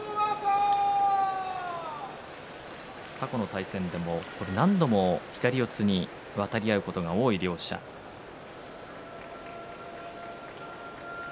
過去の対戦でも何度も左四つに渡り合うことが多い両者です。